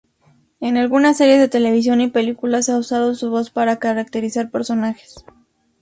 En algunas series de televisión y películas, ha usado su voz para caracterizar personajes.